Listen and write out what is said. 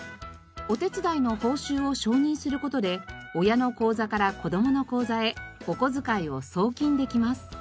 お手伝いの報酬を承認する事で親の口座から子どもの口座へお小遣いを送金できます。